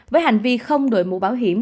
với hành vi không đổi mũ bảo hiểm